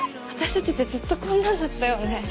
私たちってずっとこんなんだったよね。